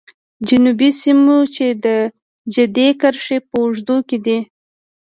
جنوبي سیمو چې د جدي کرښې په اوږدو کې دي.